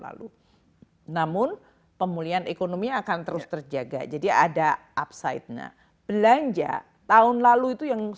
lalu namun pemulihan ekonomi akan terus terjaga jadi ada upside belanja tahun lalu itu yang